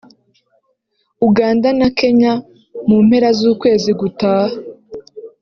Uganda na Kenya mu mpera z’ukwezi gutaha